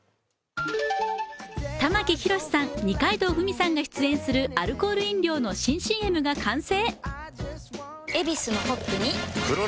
玉木宏さん、二階堂ふみさんが出演するアルコール飲料の新ＣＭが完成。